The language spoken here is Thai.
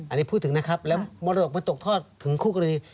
อันนี้พูดถึงนะครับแล้วมรดกมันตกทอดถึงคู่กรณี